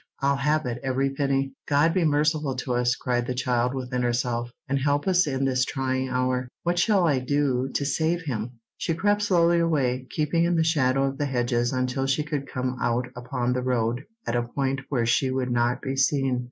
"I'll have it, every penny." "God be merciful to us!" cried the child within herself, "and help us in this trying hour. What shall I do to save him?" She crept slowly away, keeping in the shadow of the hedges until she could come out upon the road at a point where she would not be seen.